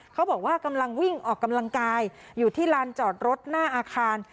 เขาบอกว่ากำลังวิ่งออกกำลังกายอยู่ที่ลานจอดรถหน้าอาคาร